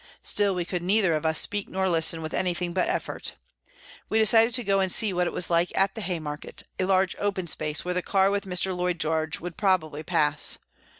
Still, we could neither of us speak nor listen with anything but effort. We decided to go and see what it was like at the Hay market, a large, open space, where the car with Mr. Lloyd George would probably pass.